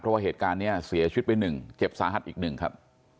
เพราะว่าเหตุการณ์นี้เสียชีวิตไป๑เจ็บสาหัสอีกหนึ่งครับ